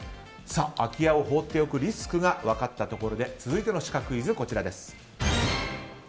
空き家を放っておくリスクが分かったところで続いてのシカクイズです。